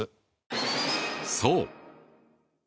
そう！